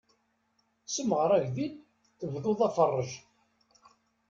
Semɣer agdil, tebduḍ aferrej.